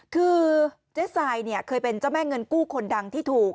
คือเจ๊ทรายเนี่ยเคยเป็นเจ้าแม่เงินกู้คนดังที่ถูก